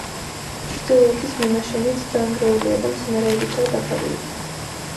ჩრდილოეთის მინაშენიც დანგრეულია და მცენარეებითაა დაფარული.